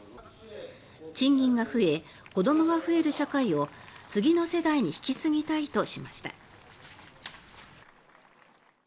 賃金が増え子どもが増える社会を次の世代に引き継ぎたいとしました。